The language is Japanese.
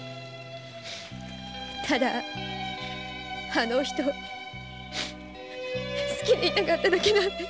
ただあのお人を好きでいたかっただけなんです。